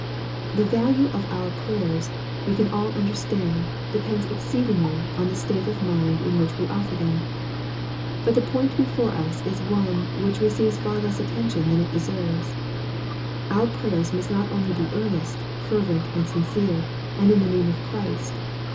The value of our prayers, we can all understand, de pends exceedingly on the state of mind in which we offer them. But the point before us is one which re ceives far less attention than it deserves. Our prayers must not only be earnest, fervent, and sincere, and in the name of Christ.